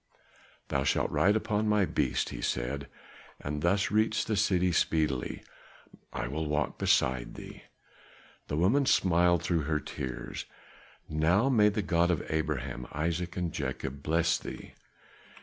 "Thou shalt ride upon my beast," he said, "and thus reach the city speedily. I will walk beside thee." The woman smiled through her tears. "Now may the God of Abraham, Isaac and Jacob bless thee!"